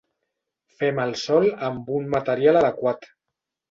Fem el sòl amb un material adequat.